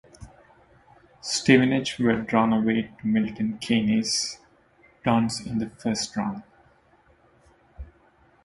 Stevenage were drawn away to Milton Keynes Dons in the first round.